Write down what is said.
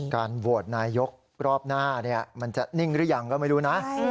โหวตนายกรอบหน้ามันจะนิ่งหรือยังก็ไม่รู้นะ